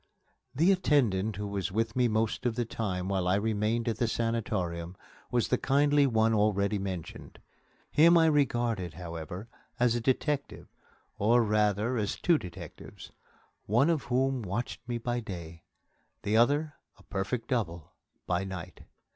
The attendant who was with me most of the time while I remained at the sanatorium was the kindly one already mentioned. Him I regarded, however, as a detective, or, rather, as two detectives, one of whom watched me by day, and the other a perfect double by night.